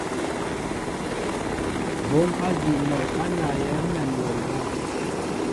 Hǒm ádí mol á nawyɛέ ḿmem nloŋga.